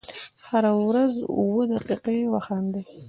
هره ورځ اووه دقیقې وخاندئ .